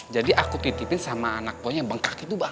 jadi aku titipin sama anak boy yang bengkak itu bang